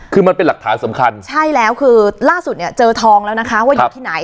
คือมันเป็นหลักฐานสำคัญใช่แล้วคือล่าสุดเนี่ยเจอทองแล้วนะคะว่าอยู่ที่ไหน